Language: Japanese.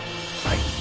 はい。